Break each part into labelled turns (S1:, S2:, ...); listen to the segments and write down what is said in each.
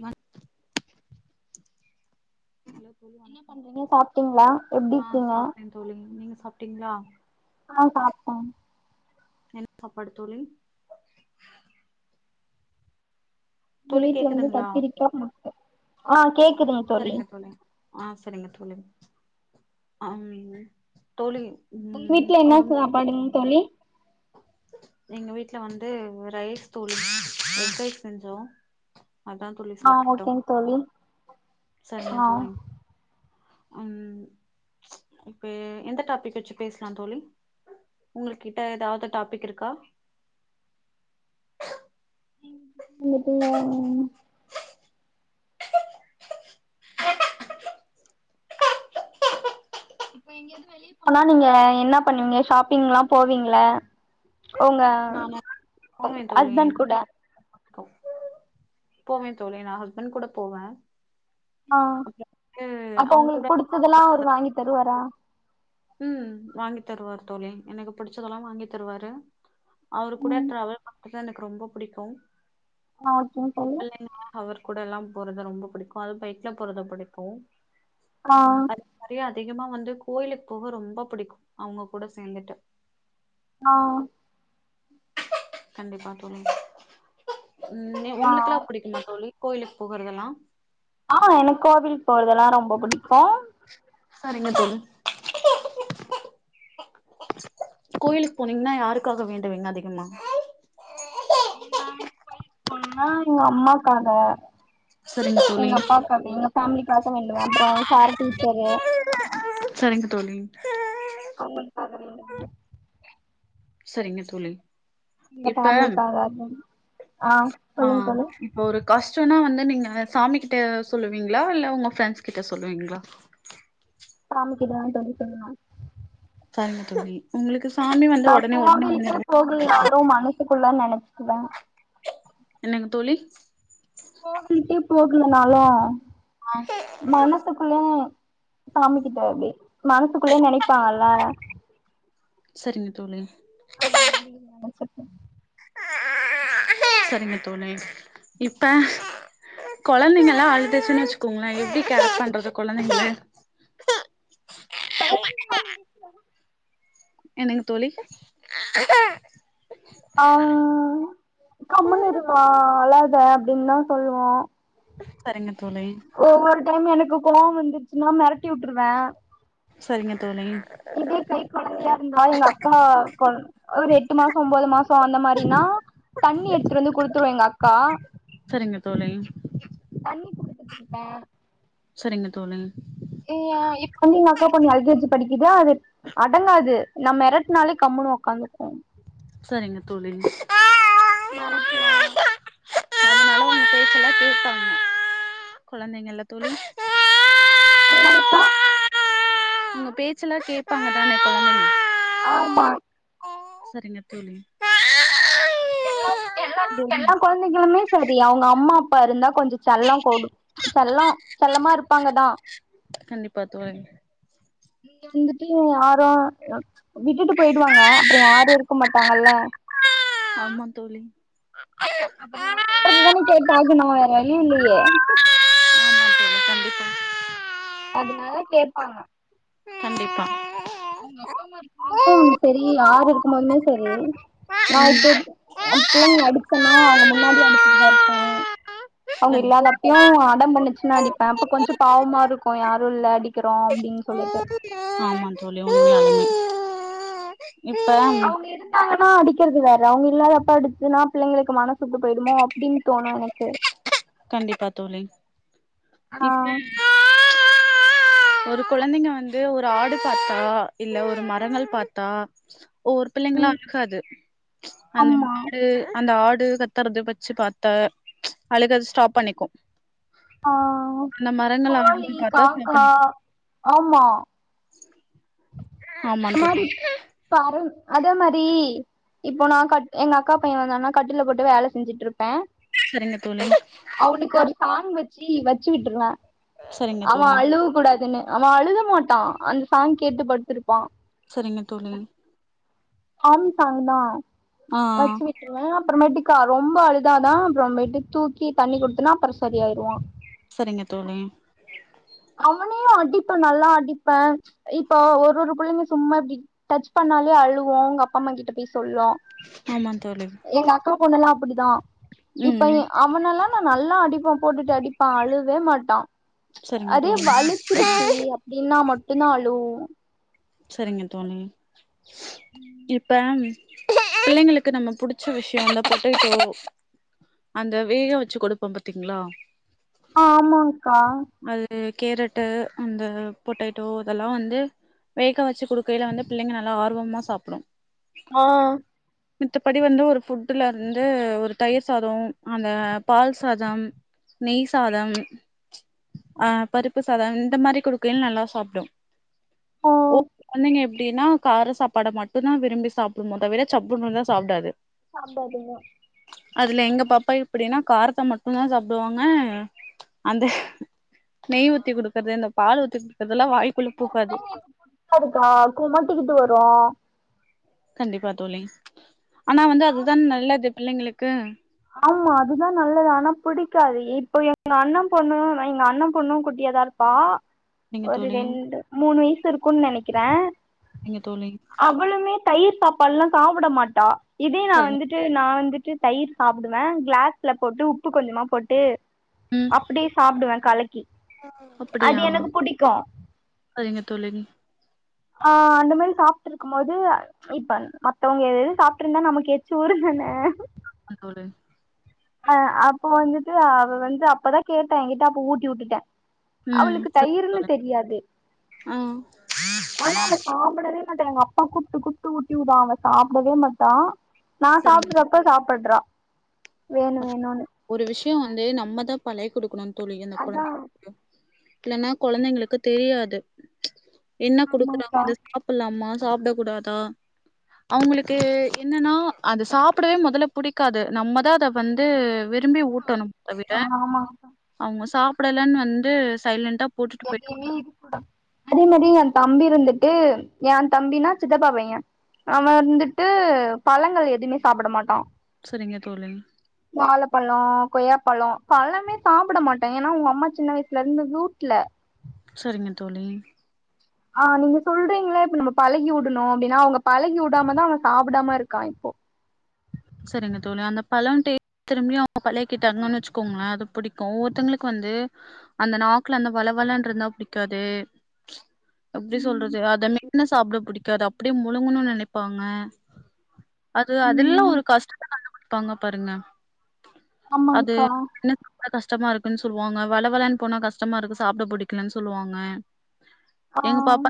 S1: மண்
S2: என்ன பண்றீங்க சாப்ட்டீங்ளா எப்டிருக்கீங்க
S1: சாப்ட்டீங்ளா
S2: ஆஹ் சாப்டான்
S1: என்ன சாப்பாடு தோழி
S2: எங்க வீட்ல வந்து கத்திரிக்கா ஆ கேக்குதுங்க
S1: செரிங்க தோழி ஆஹ் செரிங்க தோழி ஆமாங்க தோழி
S2: உங்க
S1: ம்
S2: வீட்ல என்ன
S1: ஒரு
S2: சாப்பாடுங் தோழி
S1: எங்க வீட்ல வந்து ரைஸ் தோழி எஃக் ரைஸ் செஞ்ஜோ
S2: ஆஹ் ஓகேங் தோழி ஆ
S1: சரிங்க தோழி உம் ம்ச் இப்ப எந்த டாபிக் வச்சி பேசலா தோழி உங்க கிட்ட எதாது டாபிக் இருக்கா
S2: [unintelligible] இப்ப எங்கயாது வெளிய போனா நீங்க என்னா பண்ணுவீங்க ஷாப்பிங்லா போவீங்ள ஒங்க
S1: நானா போவே தோழி
S2: ஹஸ்பண்ட் கூட
S1: ஷாப் போவே தோழி நா ஹஸ்பண்ட் கூட போவே
S2: ஆஹ்
S1: அப்றோ வந்து
S2: அப்போ
S1: அவங்க கூட
S2: ஒங்ளுக்கு புடிச்சதெல்லா அவுரு வாங்கி தருவாரா
S1: உம் வாங்கி தருவார் தோழி எனக்கு பிடிச்சதெல்லா வாங்கி தருவாரு அவரு கூட
S2: ம்
S1: டிராவல் பண்றது எனக்கு ரொம்ப புடிக்கு
S2: ஆஹ் ஒகேங்க தோழி
S1: பிள்ளைங்க அவர் கூட எல்லா போறத ரொம்ப புடிக்கு அது பைக்லா போறது புடிக்கு
S2: ஆஹ்
S1: அது மாரி அதிகமா வந்து கோயிலுக்கு போக ரொம்ப புடிக்கு அவங்க கூட சேந்துட்டு
S2: ஆஹ்
S1: கண்டிப்பா தோழி உம் நீ
S2: ஆ
S1: உங்களுக்குகெல்லா புடிக்குமா தோழி கோயிலுக்கு போகறதெல்லா
S2: ஆஹ் எனக்கு கோவில் போறதெல்லா ரொம்ப புடிக்கு
S1: சரிங்க தோழி கோயிலுக்கு போனீங்கன்னா யாருக்காக வேண்டுவிங்க அதிகமா
S2: ஏ நா கோயிலுக்கு போனான எங்க அம்மாக்காக
S1: சரிங்க தோழி
S2: எங்க அப்பாக்கா எங்க ஃபேமிலிக்கா வேண்வ அப்புற சார் டீச்சரு
S1: சரிங்க தோழி
S2: அவங்களுக்காக வேண்டுவே
S1: செரிங்க தோழி
S2: எங்க
S1: இப்ப
S2: ஃபேமிலிக்காக ஆ
S1: ஆ
S2: சொல்லுங்க தோழி
S1: இப்ப ஒரு காஷ்டனா வந்து நீங்க சாமி கிட்ட சொல்லுவீங்ளா இல்ல உங்க ஃபிரெண்ட்ஸ் கிட்ட சொல்லுவீங்ளா
S2: சாமிக்குதுதா தோழி சொல்ணு
S1: [unintelligible] உங்களுக்கு சாமி வந்து
S2: நான்
S1: உடனே உடனே வந்து
S2: கோவிலுக்கே
S1: நிறைவே
S2: போகாலனலு மனசுக்குள்ள நினைப் வே
S1: என்னங்க தோழி
S2: போகலனாளு
S1: ஆ
S2: மனசுக்குள்ள சாமி கிட்ட அப்டியே மனசுக்குள்ளயே நெனைப்பாங்கல்ல
S1: செரிங்க தோழி
S2: அந்த மாரி நெனைச்ப்
S1: செரிங்க தோழி இப்ப கொழந்தைங்கல அழுதுச்சுனு வச்சுக்கோங்களே எப்டி கேர் பண்றது கொழந்தைங்ள
S2: [unintelligible]
S1: என்னங்க தோழி
S2: ஆ கம்முனு இருமா அழாத அப்டின்னுதா சொல்லுவோ
S1: செரிங்க தோழி
S2: மேம் எனக்கு கோவோ வந்துச்சுன்னா மிரட்டி விட்டுருவே
S1: செரிங்க தோழி
S2: இதே கை கொழந்தையா இருந்தா எங்க அக்கா கொ ஒரு எட்டு மாசொ ஒன்பது மாசொ அந்த மாரினா தண்ணி எடுத்துட்டு வந்து குடுத்துரு எங்க அக்கா
S1: செரிங்க தோழி
S2: தண்ணி குடுத்துட்ருக்கே
S1: செரிங்க தோழி
S2: இப்ப எங்க அக்கா கொழந்த எல் கே ஜி படிக்குது அது அடங்காது நா மெரட்னாலே கம்முணு உக்காந்துக்கொ
S1: செரிங்க தோழி
S2: மறக்கல
S1: அதனால அவுங்க பேச்சேல்லா கேப்பாங்க கொழந்தைங்கல்ல தோழி
S2: என்ன இப்பா
S1: உங்க பேச்சுல்லாம் கேட்பாங்க தான கொழந்தைங்க
S2: ஆமா
S1: செரிங்க தோழி
S2: எல்லாம் எல்லா எல்லா கொழந்தைகளுமே செரி அவுங்க அம்மா அப்பா இருந்தா கொஞ்சோ செல்லம் போடும் செல்லம் செல்லமா இருப்பாங்கதா
S1: கண்டிப்பா தோழி
S2: நீங்க வந்துட்டு யாரும் விட்டுட்டு போயிடுவாங்க அப்புறோ யாரு இருக்க மாட்டாங்கல்ல
S1: ஆமா தோழி
S2: அப்புறொ நா சொல்றது தான கேட்டு ஆகணு வேற வழி இல்லயே
S1: ஆமா தோழி கண்டிப்பா தோழி
S2: அதனால கேட்பாங்க
S1: கண்டிப்பா
S2: அவங்க அப்பா அம்மா இருக்கும்போது செரி யார் இருக்கும்போது செரி
S1: ம்
S2: [unintelligible] பிள்ளைங்கள அடிச்சன்னா அவங்க முன்னாடி அடிச்சுட்டுதா இருப்பே அவங்க
S1: கண்டிப்
S2: இல்லாத அப்பயு அடம் பண்ணுச்சு னா அடிப்பே அப்ப கொஞ்சொ பாவமா இருக்கு யாரு இல்ல அடிக்கிறோ அப்படின்னு சொல்லிட்டு
S1: ஆமா தோழி உண்மையாலுமே இப்ப
S2: ன்னா அடிக்கிறது வேற அவங்க இல்லாத அப்ப அடிச்சுன்னா பிள்ளங்களுக்கு மனசுட்டு போயிருமோ அப்படின்னு தோணு எனக்கு
S1: கண்டிப்பா தோழி
S2: ஆ
S1: இப்ப ஒரு கொழந்தைங்க வந்து ஒரு ஆடு பாத்தா இல்ல ஒரு மரங்கள் பார்த்தா ஒவ்வொரு பிள்ளைங்கள்லா அழுகாது அந்த
S2: ஆமா
S1: மாடு அந்த ஆடு கத்துறது பச்சு பாத்தா அழுக ஸ்டாப் பண்ணிக்கு
S2: ஆஹ்
S1: அந்த மரங்கள்
S2: கோழி
S1: அழுது பாத்தா ஸ்டாப்
S2: காக்கா
S1: பண்ணிக்கு
S2: ஆமா
S1: ஆமா
S2: அந்த மாரி
S1: தோழி
S2: பாரண்ட்ஸ் அதே மாரி இப்போ நா கட் எங்க அக்கா பைய வந்தான்னா கட்டில்ல போட்டு வேல செஞ்சுட்டு இருப்பே
S1: சரிங்க தோழி
S2: அவ்னுக்கொரு சாண் வெச் சி வெச்சு விட்டுர்லா
S1: சரிங்க
S2: ஆமா
S1: தோழி
S2: அழுவு கூடாதுன்னு அவெ அழுக மாட்டா அந்த சாங் கேட்டு படுத்துருப்பா
S1: செரிங்க தோழி
S2: அம் சாங்லா
S1: ஆ
S2: வெச்சு விட்ருவே அப்புறோமேட்டிக் கா ரொம்ப அழுதாதா அப்புறோமேட்டுக் தூக்கி தண்ணி குடுத்துன்னா அப்புறோ சரி ஆய்ருவா
S1: செரிங்க தோழி
S2: அவனையு அடிப்பே நல்லா அடிப்பே இப்போ ஒரு ஒரு புள்ளைங்க சும்மா இப்டி டச் பண்ணாலே அழுவு உங்க அப்பா அம்மா கிட்ட பேஸ் சொல்ல
S1: ஆமா தோழி
S2: எங்க அக்கா பொண்ணல்லா அப் அப்புடிதா
S1: ம்
S2: இப்ப எ
S1: ம்
S2: அவனலா நா நல்லா அடிப்ப போட்டுட்டு அடிப்ப அழுவே மாட்டா
S1: சரிங்க
S2: அதே
S1: தோழி
S2: வளிச்சுருச்சி அப்டினா மட் டும் தா அலுவ்வா
S1: செரிங்க தோழி இப்ப பிள்ளைங்களுக்கு நம்ம புடிச்ச விஷயொ அந்த பொட்டேடொ அந்த வேகா வெச்சு கொடுப்போ பாத்தீங்ளா
S2: ஆ ஆமாங்
S1: அது கேரட்டு அந்த பொட்டேடோ இதலா வந்து வேக்க வெச்சு குடுக்கைல வந்து பிள்ளைங்க நல்லா ஆர்வமா சாப்புடும்
S2: ஆ
S1: மித்தபடி வந்து ஒரு ஃபுட்டுல இருந்து ஒரு தயிர் சாதோ அந்த பால் சாதம் நெய் சாதம் ஆ பருப்பு சாதம் இந்த மாரி குடுக்கைல நல்லா சாப்டும் ஓ
S2: ம்
S1: நீங்க எப் அப்டினா கார சாப்பாட மட்டுதா விரும்பி சாப்புடுனு தவிர சப்புனுருந்தா சாப்டாது
S2: சாப்டாதுன்னு
S1: அதுல எங்க பாப்பா எப்டினா காரத்த மட்டுதா சாப்டுவாங்க அந்த நெய் ஊத்தி குடுக்கற்து அந்த பால் ஊத்தி குடுக்கறதெல்லா வாய்க்குள்ள
S2: ஒவ்வொரு
S1: போகாது
S2: புள்ளைங்களுக்கு புடிகாதுகா கொமட்டிக்குட்டு வரும்
S1: கண்டிப்பா தோழி ஆனா வந்து அதுதான் நல்லது பிள்ளைங்களுக்கு
S2: ஆம்மா அதுதா நல்லது ஆனா புடிக்காது இப்போ எங்க அண்ண பொண்ணு எங்க அண்ண பொண்ணு குட்டியாத இருப்பா
S1: நீங்க
S2: ஒரு
S1: தோழி
S2: ரெண்டு மூணு வய்சு இருக்குன் நெனைக் கிறேன்
S1: நீங்க தோழி
S2: தயிர் சாப்பாடுல்லாம் சாப்பிட மாட்டா இதே நான்
S1: சரிங்க
S2: வந்துட்டு நான் வந்துட்டு தயிர் சாப்பிடுவேன் கிளாஸ்ல போட்டு உப்பு கொஞ்சமா போட்டு
S1: ம்
S2: அப்படிய சாப்பிடுவேன் கலக்கி அது
S1: அப்டியா
S2: எனக்கு பிடிக்கும்
S1: சரிங்க தோழி
S2: ஆஹ் அந்த மாதிரி சாப்பிட்டு இருக்கும் போது இப்ப மத்தவங்க எத எது சாப்பிட்டு இருந்தா நமக்கு ஏச்சும் ஊறும் தான
S1: ஆமா தோழி
S2: அஹ் அப்போ வந்துட்டு அவ வந்து அப்பதான் கேட்டேன் என்கிட்ட அப்ப ஊட்டி விட்டுட்டேன்
S1: ம்
S2: அவளுக்கு
S1: சரிங்க
S2: தயர்ன்னு
S1: தோழி
S2: தெரியாது
S1: ஆ
S2: ஆனா அவ சாப்பிடவே ட்ட எங்க அப்பா கூப்பிட்டு கூப்பிட்டு ஊட்டி விடும் அவ சாப்பிடவே மாட்டா நான்
S1: சரிங்க தோழி.
S2: சாப்ட்றப்ப சாப்படுறா வேணும் வேணும்னு
S1: ஒரு விஷயோ வந்து நம்ம தான் பழைய கொடுக்கணும் தோழி அந்த
S2: அதா
S1: கொழந்தைகளுக்கு இல்லன்னா குழந்தைங்களுக்கு தெரியாது என்ன குடுக்குறாங்க
S2: ஆமாங்க்கா
S1: இத சாப்பிட்லாமா சாப்ட கூடாதா அவங்களுக்கு என்னன்னா அதை சாப்பிடவே முதல்ல பிடிக்காது நம்மதான் அத வந்து வெறு திரும்பி ஊட்டணும் தவிர
S2: ஆமா
S1: அவங்க சா சாப்பிடலனு வந்து சைலண்டா போட்டுட்டு போயிட்டு
S2: [unintelligible] அதே மாதிரி என் தம்பி இருந்துட்டு என் தம்பினா சித்தப்பா பையன் அவன் வந்துட்டு பழங்கள் எதுவுமே சாப்பிட மாட்டான்
S1: சரிங்க தோழின்
S2: வாழப்பழம் கொய்யாப்பழம் பழமே சாப்பிடமாட்டேன் ஏன்னா உன் அம்மா சின்ன வயசுல இருந்தது இல்ல
S1: சரிங்க தோழி
S2: ஆஹ் நீங்க சொல்றீங்கல இப்ப நம்ம பழக்கி விடணும் அப்படின்னா அவங்க பழக்கி விடாமதான் அவன் சாப்பிடாம இருக்கான் இப்போ
S1: சரிங்க தோழி அந்த பழம்ட்டு திரும்பியும் அவங்க பழக்கிட்டாங்கன்னு வச்சுக்கோங்களேன் அது பிடிக்கும் ஒவ்வொருத்தவங்களுக்கு வந்து அந்த நாக்குல அந்த வள வளன்ற இருந்தா பிடிக்காது எப்படி சொல்றது அத மென்னு சாப்பிட புடிக்காது அப்படியே முழுங்கணும்னு நினைப்பாங்க அது அதல்லாம்
S2: ம்
S1: ஒரு கஷ்டத்தை கண்டுபிடிப்பாங்க பாருங்க அது
S2: ஆமாக்கா
S1: மென்னு சாப்ட கஷ்டமா இருக்குன்னு சொல்லுவாங்க வள வளன்னு போனா கஷ்டமா இருக்கு சாப்பிட பிடிக்கலன்னு சொல்லுவாங்க
S2: ஆஹ்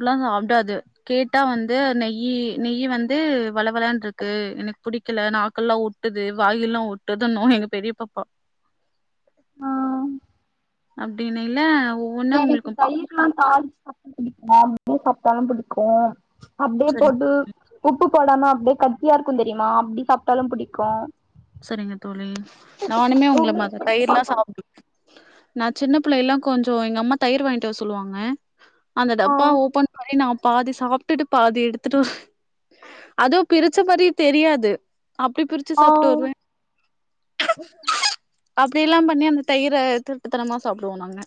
S1: எல்லாம் சாப்பிடாது கேட்டா வந்து நெயி நெய்யி வந்து வளவளனு இருக்கு எனக்கு புடிக்கல நாக்கல்லாம் விட்டுது வாயெல்லாம் ஒட்டுதுன்னும் எங்க பெரிய பாப்பா
S2: ஆஹ்
S1: அப்படின்னு இல்ல
S2: எனக்கு தயிர்லாம் சாப் அப்படியே சாப்பிட்டா தான் பிடிக்கும் அப்படியே
S1: சரிங்க
S2: போட்டு உப் உப்பு போடாம அப்படியே கட்டியா இருக்கும் தெரியுமா அப்படி சாப்பிட்டா தான் பிடிக்கும்
S1: சரிங்க தோழி நானுமே உங்க
S2: உங்களுக்கு
S1: மாத தயிர்
S2: பிடிக்குமா
S1: எல்லாம்
S2: கா
S1: சாப் நா சின்ன பிள்ளை எல்லாம் கொஞ்சம் எங்க அம்மா தயிர் வாங்கிட்டு சொல்லுவாங்க அந்த
S2: ஆ
S1: டப்பா ஓபன் பன்னி நா பாதி சாப்பிட்டுட்டு பாதி எடுத்துட்டு அதோ பிரிச்ச மாதிரி தெரியாது அப்படி பிரிச்ச சாப்பி
S2: உ
S1: அப்படி எல்லாம் பண்ணி அந்த தயிரை திருட்டுத்தனமா சாப்பிடுவோம் நாங்க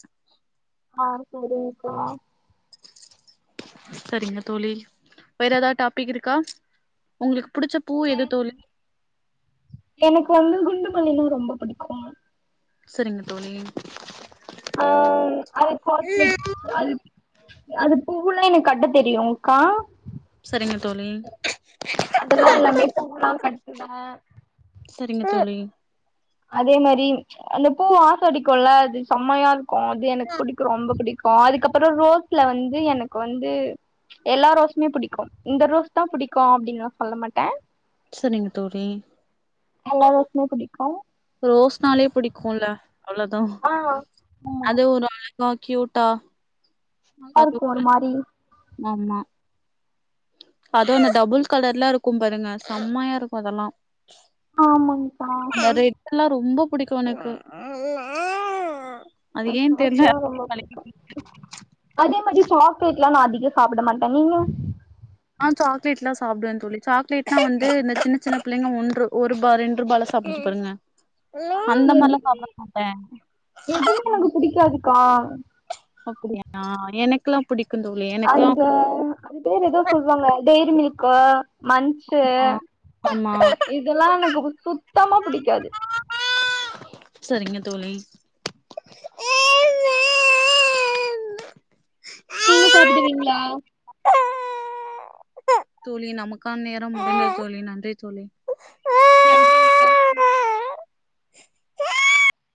S2: ஆஹ் சரிங்க்ககா
S1: சரிங்க தோழி வேற ஏதாவது டாபிக் இருக்கா உங்களுக்கு புடிச்ச பூ எது தோழி
S2: எனக்கு வந்து குண்டுமல்லின்னா ரொம்ப பிடிக்கும்
S1: செரிங்க கோழி
S2: அஹ் அது [unintelligible] அது அது பூலாம் எனக்கு கட்ட தெரியும்க்கா
S1: சரிங்க தோழி
S2: அதெல்லாம் எல்லாமே பூல்லாம் க அதான்
S1: செரிங்க தோழி
S2: அதே மாரி அந்த பூ வாசோ அடிக்கும்ல அது செம்மையா க்கும் அது எனக்கு பிடிக்கூ ரொம்ப பிடிக்கூ க்கும் அதுக்கப்பறோ ரோஸ்ல வந்து எனக்கு வந்து எல்லா ரோஸுமே பிடிக்கூ இந்த ரோஸ் தான் புடிக்கூ அப்டின்னு நான் சொல்ல மாட்டே
S1: செரிங்க தோழி
S2: எல்லா ரோஸுமே புடிக்கு
S1: ரோஸ்னாலே பிடிக்குல அவ்ளோதான்
S2: ஆ ஆமா
S1: அது ஒரு அ செம கியூட்டா
S2: நல்லா இருக்கூ ஒரு மாரி
S1: ஆமா அது அந்த டபுள் கலர் லாம் இருக்கக பாருங்க செம்மையா இருக்கும் அதெல்லாம்
S2: ஆமாங்கக்கா
S1: அந்த ரெட்ல்லா ரொம்ப பிடிக்கூ எனக்கு அது ஏன் தெர்ல.
S2: சாஸ்லா ரொம்ப பிடிக்கூ அதே மாதிரி சாக்லேட் ல்லாம் நான் அதிகோ சாப்ட மாட்டே நீங்க
S1: ஆஹ் சாக்லேட்லாம் சாப்பிடுவே தோழி சாக்லேட்னா வந்து இந்த சின்ன சின்ன பிள்ளைங்க ஒன்று ஒருபா ரெண்டு ரூபால சாப்பிடுச்ச பாருங்க அந்த
S2: எது
S1: மாரிலாம் சாப்ட மாட்டே
S2: எதுமே எனக்கு [unintelligible]
S1: அப்டியா எனக்குலா புடிக்கூ
S2: அந்த அது பேரு ஏதோ சொல்லுவாங்க டெய்ரிமில்க் மன்ச்
S1: ஆ ஆமா
S2: [unintelligible] இதெல்லாம் எனக்கு சுத் சுத்தமா புடிக்காது
S1: செரிங்க தோழி
S2: நீங்க சாப்டுவீங்களா
S1: தோழி நமக்கான நேரோ தோழி நன்றி தோழி
S2: நன்றிங்கக்கா